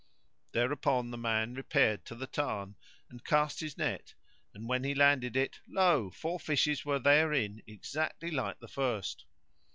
Thereupon the man repaired to the tarn and cast his net; and when he landed it, lo! four fishes were therein exactly like the first.